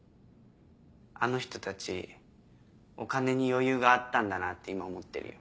あの人たちお金に余裕があったんだなって今思ってるよ。